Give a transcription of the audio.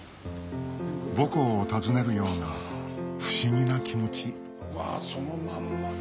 母校を訪ねるような不思議な気持ちそのまんま。